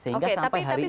sehingga sampai hari ini